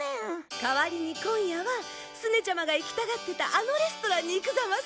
代わりに今夜はスネちゃまが行きたがってたあのレストランに行くざます。